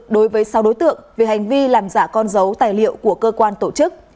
đối với sáu đối tượng về hành vi làm giả con dấu tài liệu của cơ quan tổ chức